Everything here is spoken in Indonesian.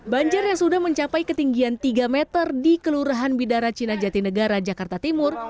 banjir yang sudah mencapai ketinggian tiga meter di kelurahan bidara cina jatinegara jakarta timur